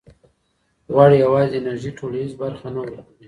غوړ یوازې د انرژۍ ټولیزه برخه نه ورکوي.